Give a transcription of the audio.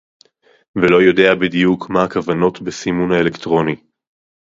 ולא יודע בדיוק מה הכוונות בסימון האלקטרוני